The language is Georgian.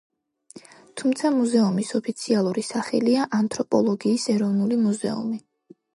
თუმცა მუზეუმის ოფიციალური სახელია: ანთროპოლოგიის ეროვნული მუზეუმი.